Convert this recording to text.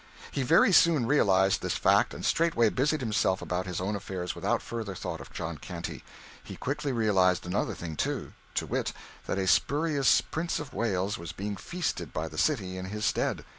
He very soon realised this fact, and straightway busied himself about his own affairs without further thought of John Canty. He quickly realised another thing, too. To wit, that a spurious Prince of Wales was being feasted by the city in his stead.